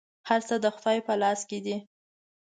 هر څه د خدای په لاس کي دي .